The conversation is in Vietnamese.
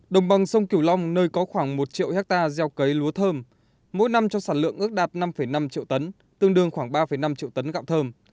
đồng bằng sông kiểu long nơi có khoảng một triệu hectare gieo cấy lúa thơm mỗi năm cho sản lượng ước đạt năm năm triệu tấn tương đương khoảng ba năm triệu tấn gạo thơm